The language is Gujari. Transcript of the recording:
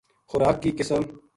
خوراک کی قسم